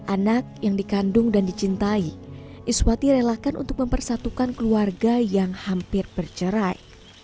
anak yang dikandung dan dicintai iswati relakan untuk mempersatukan keluarga yang hampir bercerai